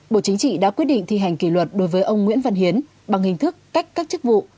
bộ chính trị đã quyết định thi hành kỷ luật đối với ông nguyễn văn hiến bằng hình thức cách các chức vụ